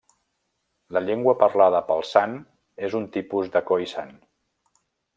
La llengua parlada pels san és un tipus de khoisan.